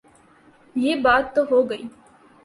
یہ بات تو ہو گئی۔